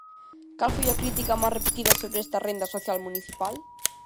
Cal foi a crítica máis repetida sobre esta renda social municipal?